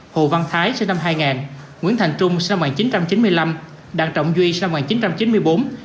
hồ văn thái sinh năm hai nghìn nguyễn thành trung sinh năm một nghìn chín trăm chín mươi năm đặng trọng duy sinh năm một nghìn chín trăm chín mươi bốn